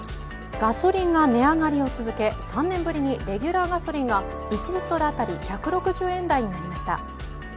ガソリンが値上げを続け、３年ぶりにレギュラーガソリンが１リットル当たり１６０円台になりました。